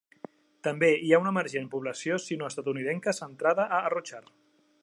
També hi ha una emergent població sinoestatunidenca centrada a Arrochar.